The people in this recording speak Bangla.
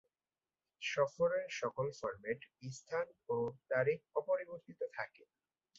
সফরের সকল ফরম্যাট, স্থান ও তারিখ অপরিবর্তিত থাকে।